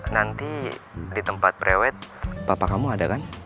nanti di tempat pre wed papa kamu ada kan